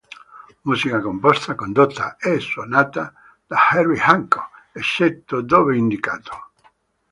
Musica composta, condotta e suonata da Herbie Hancock, eccetto dove indicato.